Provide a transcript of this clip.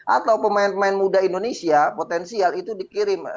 atau pemain pemain muda indonesia potensial itu dikirim